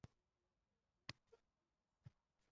Qurbon aka otning beliga tashlangan